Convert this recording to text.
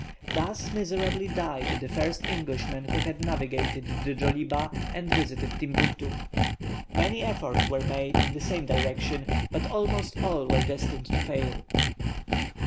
Thus miserably died the first Englishman who had navigated the Djoliba and visited Timbuctoo. Many efforts were made in the same direction, but almost all were destined to fail.